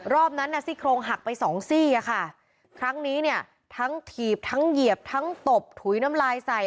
รอบนั้นซี่โครงหักไปสองซี่ครั้งนี้ทั้งถีบทั้งเหยียบทั้งตบถุยน้ำลายใส่